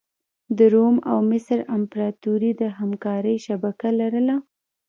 د روم او مصر امپراتوري د همکارۍ شبکه لرله.